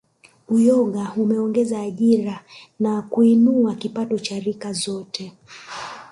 Uyoga umeongeza ajira na kuinua kipato kwa rika zote